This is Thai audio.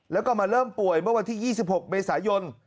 แล้วก็มาเริ่มป่วยเมื่อวันที่๒๖เมษายน